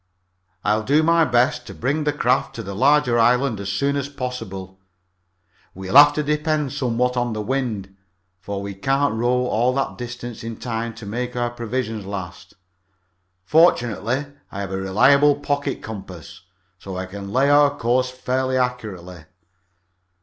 "I'll do my best to bring the craft to the larger island as soon as possible. We'll have to depend somewhat on the wind, for we can't row all that distance in time to make our provisions last. Fortunately, I have a reliable pocket compass, so I can lay our course fairly accurately.